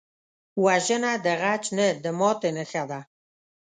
وژنه د غچ نه، د ماتې نښه ده